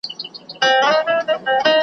لس او پنځه لس او پنځوس کلونه وکړېدو .